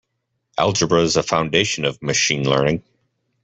Algebra is a foundation of Machine Learning.